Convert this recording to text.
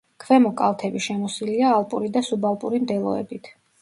ქვემო კალთები შემოსილია ალპური და სუბალპური მდელოებით.